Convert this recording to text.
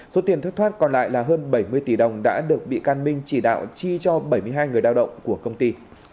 số tiền thất thoát còn lại là hơn bảy mươi tỷ đồng đã được bị can minh chỉ đạo chi cho bảy mươi hai người lao động của công ty